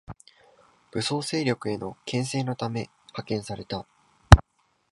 武装勢力への牽制のため派遣された